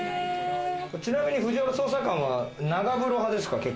ちなみに藤原捜査官は、長風呂派ですか？